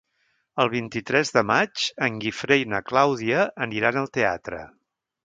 El vint-i-tres de maig en Guifré i na Clàudia aniran al teatre.